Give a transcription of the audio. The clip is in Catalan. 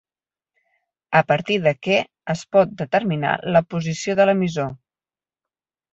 A partir de què es pot determinar la posició de l'emissor?